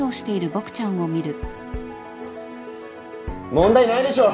問題ないでしょう。